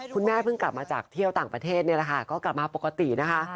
เพิ่งกลับมาจากเที่ยวต่างประเทศนี่แหละค่ะก็กลับมาปกตินะคะ